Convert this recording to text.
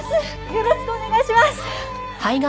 よろしくお願いします！